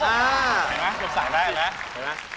เห็นมั้ยผมสั่งได้เห็นมั้ยเห็นมั้ย